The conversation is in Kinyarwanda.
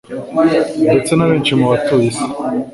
ndetse na benshi mu batuye isi